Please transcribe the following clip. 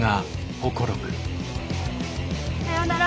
さようなら。